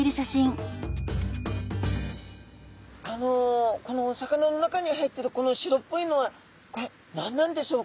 あのこのお魚の中に入ってるこの白っぽいのはこれ何なんでしょうか？